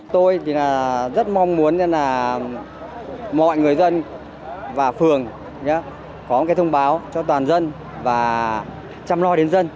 tôi rất mong muốn mọi người dân và phường có thông báo cho toàn dân và chăm lo đến dân